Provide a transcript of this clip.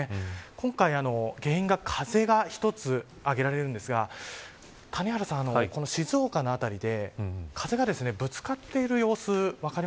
今回、原因が風が一つ挙げられるんですが谷原さん、この静岡の辺りで風がぶつかっている様子